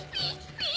ピッ！